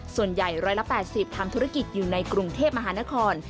ส่วนใหญ่๑๘๐ทำธุรกิจอยู่ในกรุงเทพมหานคร